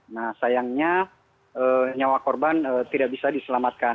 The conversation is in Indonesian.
nah sayangnya nyawa korban tidak bisa diselamatkan